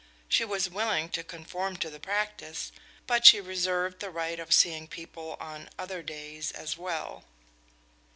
She was willing to conform to the practice, but she reserved the right of seeing people on other days as well.